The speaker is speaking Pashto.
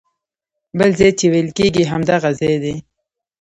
بل ځای چې ویل کېږي همدغه ځای دی.